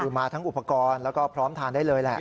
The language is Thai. คือมาทั้งอุปกรณ์แล้วก็พร้อมทานได้เลยแหละ